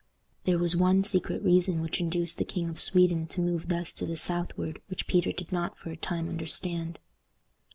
There was one secret reason which induced the King of Sweden to move thus to the southward which Peter did not for a time understand.